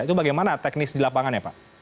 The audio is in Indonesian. itu bagaimana teknis di lapangan ya pak